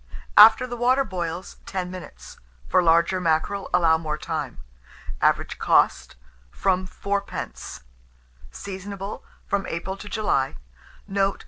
After the water boils, 10 minutes; for large mackerel, allow more time. Average cost, from 4d. Seasonable from April to July. Note.